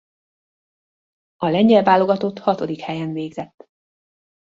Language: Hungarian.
A lengyel válogatott hatodik helyen végzett.